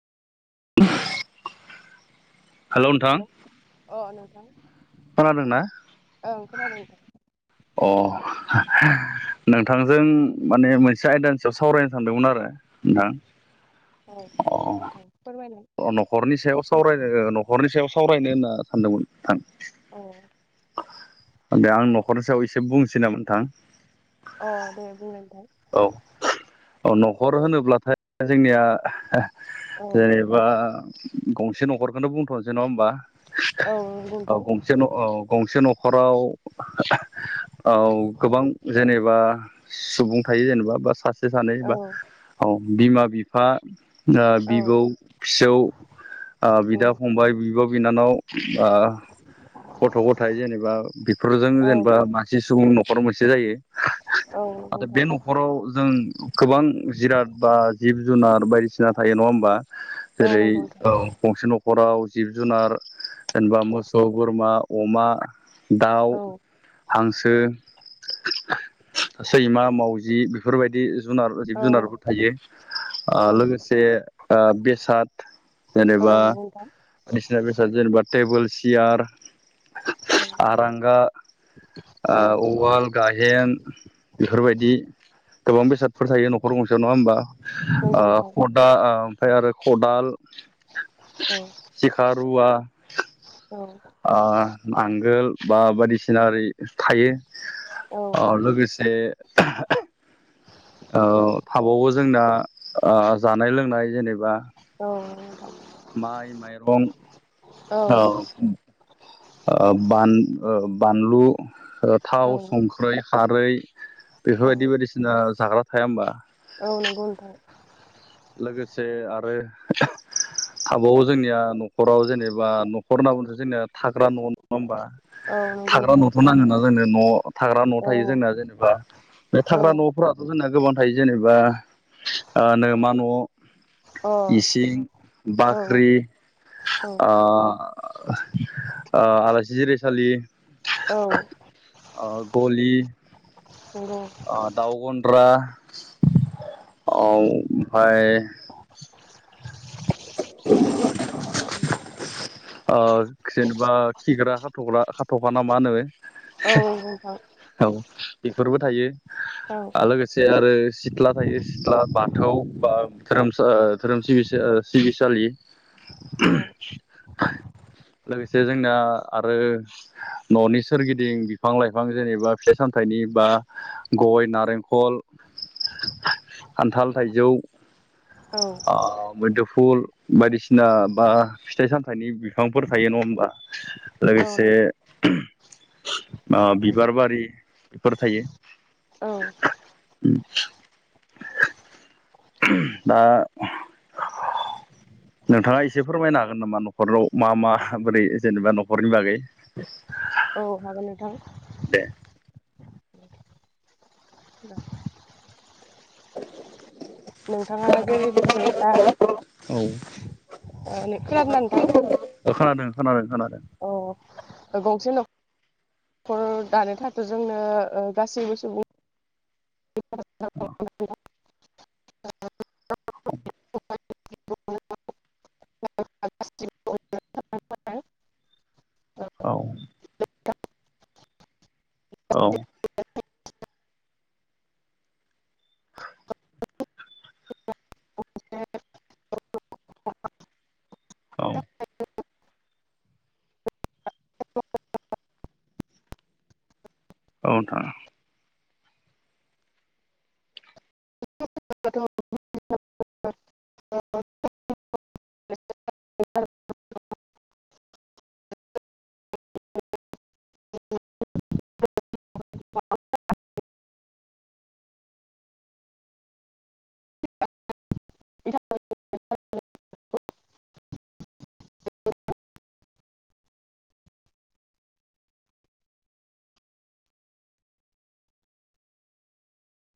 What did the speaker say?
[inaudible] हेल अ नोंथां। खोनादोंना ओं खोनादों अ नोंथांजों माने मोनसे आयदानि सायाव सावरायनो सानदोंमोन आरो नोंथां औ नोंथां फोरमाय अ नखरनि सायाव सावरायनो नखरनि सायाव सावरायनो होनना सानदोंमोन थां औ दे आं नखरनि सायाव एसे बुंसै नामा नोंथां? अ दे बुंलाय नोंथां औ औ नखर होनोब्लाथाय जोंनिया औ जेनेबा गंसे नखरखौनो बुंथ'शनोसै नङा होमबा? औ नंगौ औ नोंथां गंसे न औ गंसे न खराव औ गोबां जेनेबा सुब थायो जेनेबा बा सासे सानै औ बा औ बिमा बिफा औ बिबौ फिसौ ओ बिदा उम फंबाय बिब' बिनानाव ओ गथ' गथाइ जेनेबा बेफोरजों औ जेनेबा मासे सुबुं न'खराव मोनसे से जायो नंगौ नाथाय नोंथां बे न'खराव जों गोबां जिराद बा जिब जुनार बायदिसिना थायो नङा होमबा? औ जेरै नंगौ नोंथां गंसे न'खराव जिब जुनार जेनेबा मोसौ बोरमा अमा दाउ औ हांसो सैमा मावजि बेफोरबायदि जुनार जिब औ जुनारबो थायो औ लोगोसे बेसाद औ जेनेबा दा बायदिसिना बेसाद जेनेबा टेबोल सियार आरांगा औ उवाल गाइहेन बेफोरबायदि गोबां बेसादफोर थायो न'खर गंसेयाव नङा होमबा औ नंगौ नोंथां खदाल ओमफ्राय आरो खदाल सिखा औ रुवा औ ओ नांगोल बा बायदिसिना ओ थायो औ ओ लोगोसे ओ थाबावो जोंना जानाय लोंनाय जेनेबा औ नंगौ नोंथां माइ माइरं औ ओ बान बानलु थाव संख्रि खारै औ बेफोरबायदि बायदिसिना जाग्रा थाया होमबा औ नंगौ नोंथां' लोगोसे आरो थाबावो जोंनिया न'खराव जेनेबा न'खर होनना बुंस जोंनिया थाग्रा न' नङा होमबा औ नंगौ थाग्रा नोंथां न'थ' नाङो ना जोंनो न' थाग्रा न' औ थायो जोंना जेनेबा बे औ थाग्रा न'फोराथ' जोंना गोबां थायो जेनेबा ओ नमा न' इसिं अ औ बाख्रि औ ओ आलासि जिरायसालि नंगौ ओ गलि ओ दाउ गन्द्रा ओमफ्राय ओ जेनेबा खिग्रा हाथ'ग्रा हाथ'खा ना मा होनो औ नंगौ औ बेफोरबो थायो औ लोगोसे आरो सिथ्ला थायो सिथ्ला बाथौ बा धोरोम धोरोम सिबि सिबि सालि औ लोगोसे जोंना आरो न'नि सोरगिदिं बिफां लाइफां जेनेबा फिथाइ सामथाइनि बा गय नारेंखल खान्थाल थाइजौ औ ओ मैदुफुल बायदिसिना बा फिथाइ साम थाइनि बिफांफोर थायो नङा होनबा औ लोगोसे नंगौ ओ बिबार बारि बेफोर थायो औ दा नोंथाङा एसे फोरमायनो हागोन नामा न' न'खराव मा माबोरै जेनेबा न'खरनि बागै औ हागोन नोंथां। दे [inaudible] नोंथाङा जेरै बुंदों दा औ ओ खोनादोंना नोंथां खोनादों खोनादों औ गंसे नखर न'खर दानो थाखाय' जोंनो ओ गासैबो सुबुं [unintelligible] खोनादों [unintelligible] [unintelligible] औ। औ। [inaudible] [unintelligible] औ। औ नोंथां। [unintelligible] [unintelligible] [unintelligible]